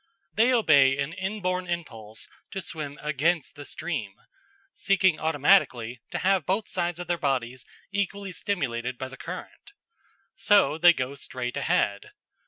They obey an inborn impulse to swim against the stream, seeking automatically to have both sides of their body equally stimulated by the current. So they go straight ahead.